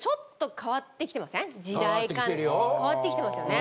変わってきてますよね。